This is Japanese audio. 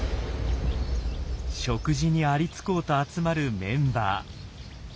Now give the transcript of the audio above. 食事にありつこうと集まるメンバー。